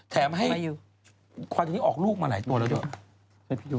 แถมให้ขวายตัวนี้ออกลูกมาหลายตัวแล้วดู